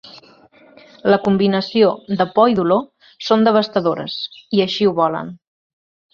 La combinació de por i dolor són devastadores, i això volen.